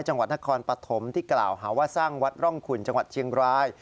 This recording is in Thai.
จังหวัดนครปฐมที่กล่าวหาว่าสร้างวัดร่องขุนจังหวัดเชียงราย